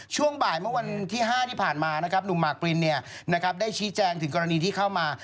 ช่วงบ่ายเมื่อวันที่๕ที่ผ่านมานะครับหนุ่มหมากปรินได้ชี้แจงถึงกรณีที่เข้ามา